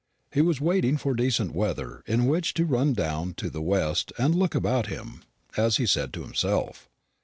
He was waiting for decent weather in which to run down to the West and "look about him," as he said to himself.